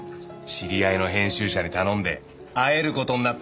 知り合いの編集者に頼んで会える事になったぞ。